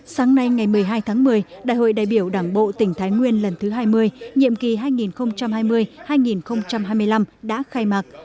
sáng nay ngày một mươi hai tháng một mươi đại hội đại biểu đảng bộ tỉnh thái nguyên lần thứ hai mươi nhiệm kỳ hai nghìn hai mươi hai nghìn hai mươi năm đã khai mạc